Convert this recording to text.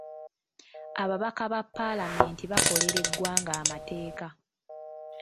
Ababaka ba paalamenti bakolera eggwanga amateeka.